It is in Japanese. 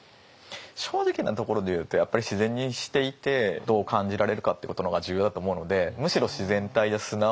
正直なところで言うとやっぱり自然にしていてどう感じられるかっていうことの方が重要だと思うのでむしろ難しいですね。